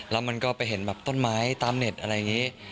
แล้วมันก็ไปเห็นแบบต้นไม้ตามเน็ตอะไรอย่างนี้